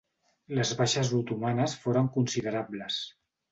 Les baixes otomanes foren considerables.